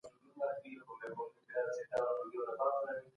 نېک نيت نېک مراد لري.